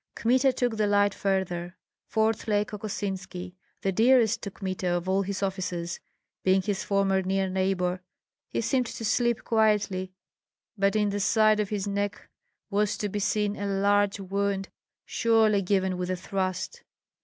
Kmita took the light farther. Fourth lay Kokosinski, the dearest to Kmita of all his officers, being his former near neighbor. He seemed to sleep quietly, but in the side of his neck was to be seen a large wound surely given with a thrust.